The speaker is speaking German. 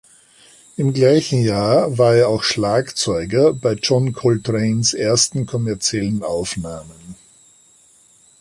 Im gleichen Jahr war er auch Schlagzeuger bei John Coltranes ersten kommerziellen Aufnahmen.